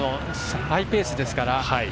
ハイペースですから。